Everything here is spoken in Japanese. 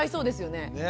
ねえ。